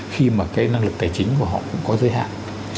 khi mà cái năng lực tài chính của họ cũng có giới hạn